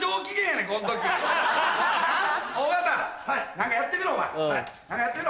何かやってみろ。